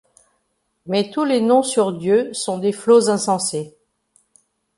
Mais tous les noms sur Dieu sont des flots insensés.